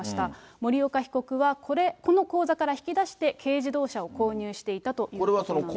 森岡被告はこの口座から引き出して、軽自動車を購入していたということなんです。